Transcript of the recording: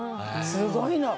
すごいの。